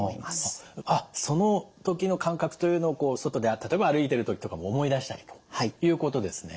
あっその時の感覚というのを外で例えば歩いている時とかも思い出したりということですね。